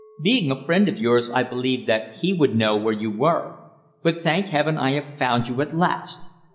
Being a friend of yours, I believed that he would know where you were. But, thank Heaven, I have found you at last.